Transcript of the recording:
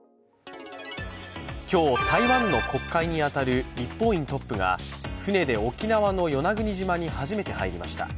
今日、台湾の国会に当たる立法院トップが船で沖縄の与那国島に初めて入りました。